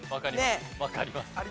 わかります。